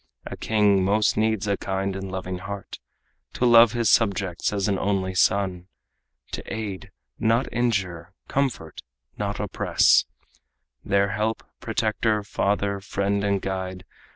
A king most needs a kind and loving heart To love his subjects as an only son, To aid not injure, comfort not oppress, Their help, protector, father, friend and guide.